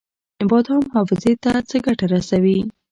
بادام حافظې ته څه ګټه رسوي؟